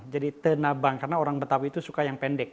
jadi tenabang karena orang betawi itu suka yang pendek